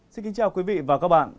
xin kính chào quý vị và các bạn